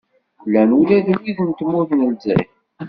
Llan ula d wid n tmurt n Lezzayer.